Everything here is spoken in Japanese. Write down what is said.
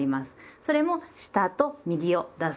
それも下と右を出す。